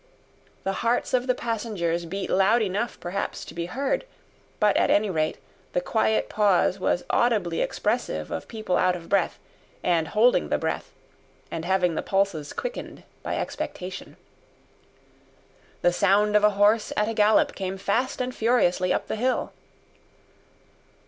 The hearts of the passengers beat loud enough perhaps to be heard; but at any rate, the quiet pause was audibly expressive of people out of breath, and holding the breath, and having the pulses quickened by expectation. The sound of a horse at a gallop came fast and furiously up the hill.